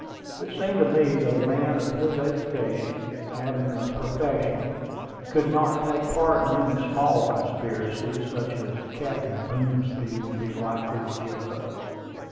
It seemed to me that a man of his education, having a profession, could not take part in any small conspiracy, such as Captain Boomsby would be likely to get up.